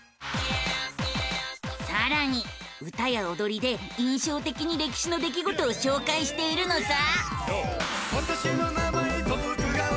さらに歌やおどりで印象的に歴史の出来事を紹介しているのさ！